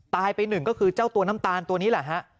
ไปหนึ่งก็คือเจ้าตัวน้ำตาลตัวนี้แหละฮะ